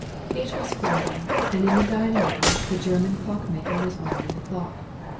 It was Friday, and in the dining room the German watchmaker was winding up the clock.